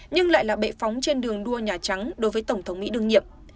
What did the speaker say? nhưng lại là bệ phóng trên đường đua nhà trắng đối với tổng thống mỹ đương nhiệm